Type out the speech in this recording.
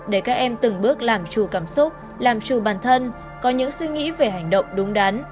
để các em từng bước làm trù cảm xúc làm trù bản thân có những suy nghĩ về hành động đúng đắn